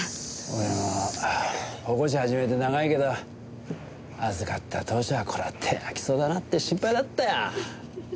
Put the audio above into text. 俺も保護司始めて長いけど預かった当初はこりゃ手を焼きそうだなって心配だったよ。